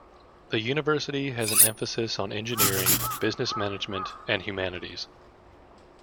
The university has an emphasis on engineering, business management and humanities.